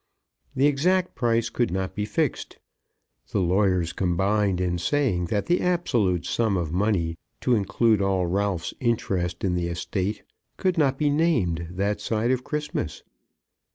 The exact price could not be fixed. The lawyers combined in saying that the absolute sum of money to include all Ralph's interest in the estate could not be named that side of Christmas.